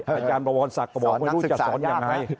อาจารย์บวรศักดิ์ก็บอกไม่รู้จะสอนยังไง